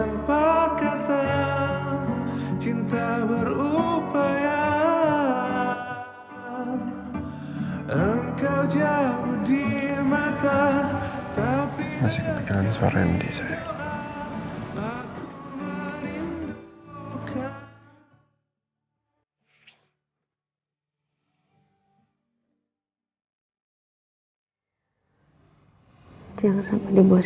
masih kepikiran suara md saya